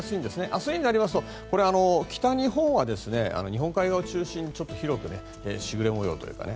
明日になりますと北日本は日本海側を中心に広く時雨模様と。